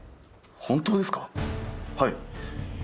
はい。